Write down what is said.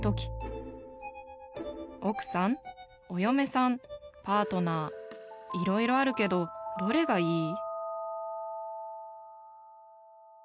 奥さんお嫁さんパートナーいろいろあるけどどれがいい？